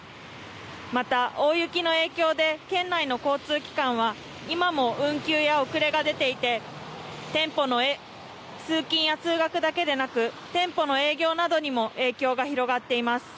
また、大雪の影響で県内の交通機関は今も運休や遅れが出ていて通勤や通学だけではなく店舗の営業などにも影響が広がっています。